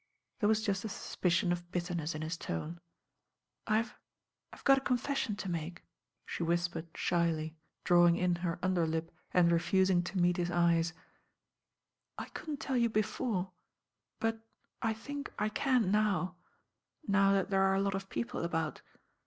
There was just a suspicion of bitterness in his tone. "I've — I've got a'confession to make," she ^is » n LORD DHEWITT: AMBASSADOR 801 pered shyly, drawing in her under lip and refusmg to meet his eyes. "I couldn't tcU you before; but I think I can now— now that there are a lot of people about."